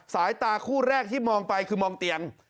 สายตาคู่แรกที่มองไปคือมองเตียง